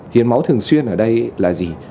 hiến máu thường xuyên ở đây là gì